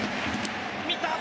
見た！